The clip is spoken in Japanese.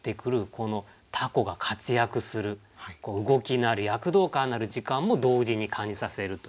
この凧が活躍する動きのある躍動感のある時間も同時に感じさせるという。